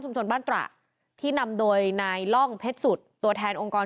บ้านตระที่นำโดยนายล่องเพชรสุดตัวแทนองค์กร